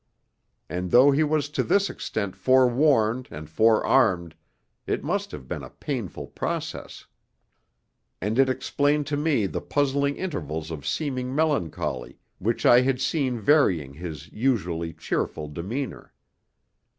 And though he was to this extent forewarned and forearmed, it must have been a painful process. And it explained to me the puzzling intervals of seeming melancholy which I had seen varying his usually cheerful demeanour.